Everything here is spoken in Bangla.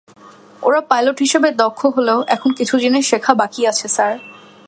ওরা পাইলট হিসাবে দক্ষ হলেও, এখনো কিছু জিনিস শেখা বাকি আছে, স্যার।